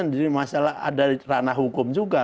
jadi masalah ada ranah hukum juga